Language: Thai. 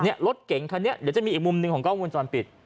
เนี่ยรถเก่งเห้อนี้คุณจะมีอีกมุมดึงของก้องวนจรปิด